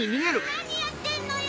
なにやってんのよ！